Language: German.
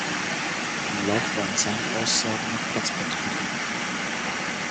Im Lauf waren seinen Aussagen nach Platzpatronen.